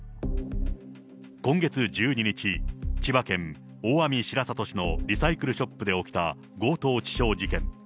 今月１２日、千葉県大網白里市のリサイクルショップで起きた強盗致傷事件。